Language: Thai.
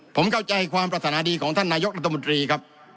ผมเข้าใจความปรารถนาดีของท่านนายกรัฐมนตรีครับ